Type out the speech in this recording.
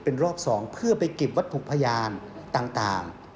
เป็นรอบ๒เพื่อไปเก็บวัตถุพยานต่าง